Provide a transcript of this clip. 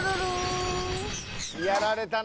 やられたな。